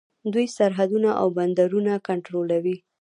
دوی سرحدونه او بندرونه کنټرولوي.